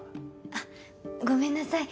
あっごめんなさい。